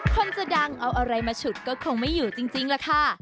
คนจะดังเอาอะไรมาฉุดก็คงไม่อยู่จริงล่ะค่ะ